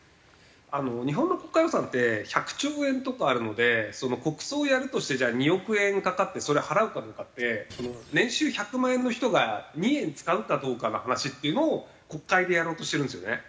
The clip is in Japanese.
日本の国家予算って１００兆円とかあるので国葬をやるとしてじゃあ２億円かかってそれ払うかどうかって年収１００万円の人が２円使うかどうかの話っていうのを国会でやろうとしてるんですよね。